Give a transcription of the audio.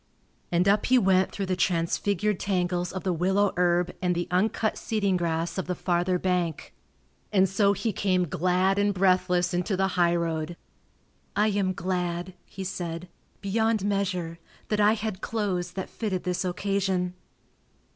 And up he went through the transfigured tangles of the willow herb and the uncut seeding grass of the farther bank. And so he came glad and breathless into the highroad. "I am glad," he said, "beyond measure, that I had clothes that fitted this occasion."